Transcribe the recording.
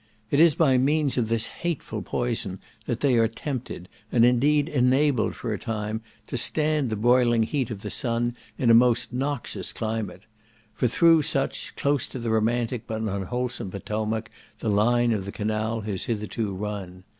It is by means of this hateful poison that they are tempted, and indeed enabled for a time, to stand the broiling heat of the sun in a most noxious climate: for through such, close to the romantic but unwholesome Potomac, the line of the canal has hitherto run.